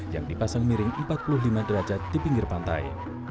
yang dipasang miring empat puluh lima derajat di pinggir pantai